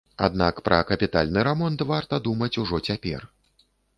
Аднак пра капітальны рамонт варта думаць ужо цяпер.